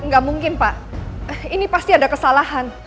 nggak mungkin pak ini pasti ada kesalahan